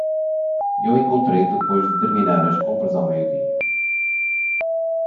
Eu encontrei depois de terminar as compras ao meio-dia.